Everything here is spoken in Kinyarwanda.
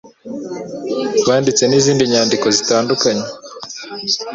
banditse n'izindi nyandiko zitandukanye.